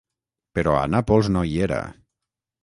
Però a Nàpols no hi era.